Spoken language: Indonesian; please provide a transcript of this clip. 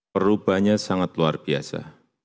perubahannya sangat luar biasa